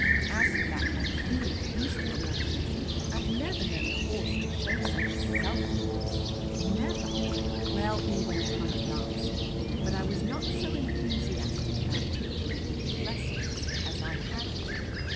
As for that unfeeling beast of yours, Lizzie, I've never known a horse to show such selfishness. Never." Well, we went on at last, but I was not so enthusiastic about teaching people lessons as I had been.